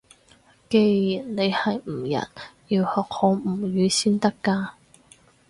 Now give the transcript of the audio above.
既然你係吳人，要學好吳語先得㗎